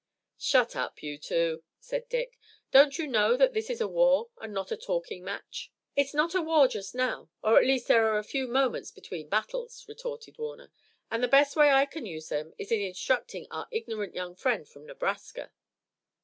"Shut up, you two," said Dick. "Don't you know that this is a war and not a talking match?" "It's not a war just now, or at least there are a few moments between battles," retorted Warner, "and the best way I can use them is in instructing our ignorant young friend from Nebraska."